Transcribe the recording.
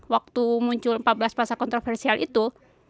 waktu muncul empat belas pasal kontroversial itu